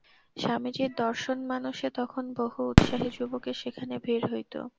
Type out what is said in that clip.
স্বামীজীর দর্শনমানসে তখন বহু উৎসাহী যুবকের সেখানে ভিড় হইত।